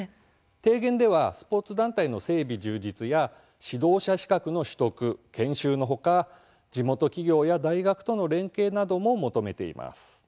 提言ではスポーツ団体の整備充実や指導者資格の取得、研修のほか地元の企業や大学との連携なども求めています。